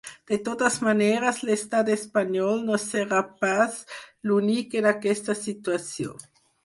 De totes maneres, l’estat espanyol no serà pas l’únic en aquesta situació.